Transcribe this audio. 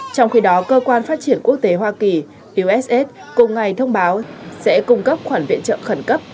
trong khi đó cơ quan phát triển quốc tế hoa kỳ uss cùng ngày thông báo sẽ cung cấp khoản viện trợ khẩn cấp